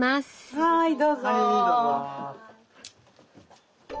はいどうぞ。